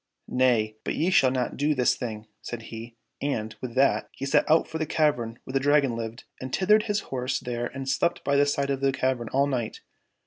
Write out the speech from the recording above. —" Nay, but ye shall not do this thing," said he, and, with that, he set out for the cavern where the Dragon lived, and tethered his horse there and slept by the side of the cavern all night.